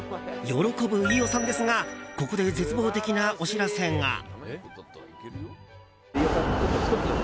喜ぶ飯尾さんですがここで絶望的なお知らせが。